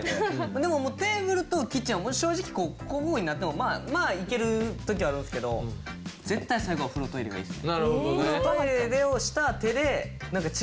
でもテーブルとキッチンは正直交互になってもまあいける時はあるんですけど絶対最後は風呂・トイレがいいです。